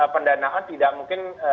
pendanaan tidak mungkin